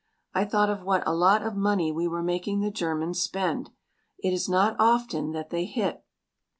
I thought of what a lot of money we were making the Germans spend. It is not often that they hit.